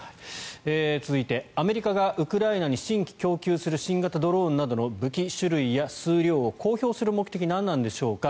続いてアメリカがウクライナに新規供給する新型ドローン等の武器種類や数量を公表する目的は何なんでしょうか。